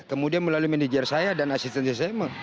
kemudian melalui manajer saya dan asisten saya